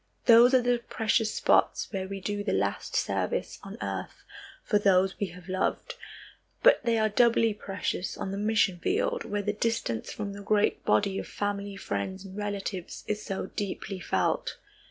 Those are precious spots where we do the last service on earth for those we have loved, but they are doubly precious on the mission field where the distance from the great body of family friends and relatives is so deeply felt.